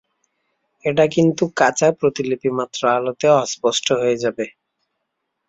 এটা কিন্তু কাঁচা প্রতিলিপিমাত্র, আলোতে অস্পষ্ট হয়ে যাবে।